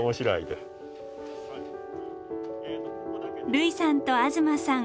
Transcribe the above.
類さんと東さん